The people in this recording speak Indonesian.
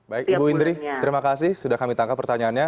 baik ibu indri terima kasih sudah kami tangkap pertanyaannya